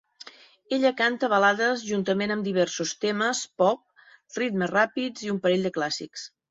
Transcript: Ella canta balades juntament amb diversos temes pop ritmes ràpids i un parell de clàssics.